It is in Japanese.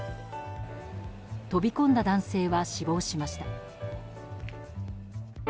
飛び込んだ男性は死亡しました。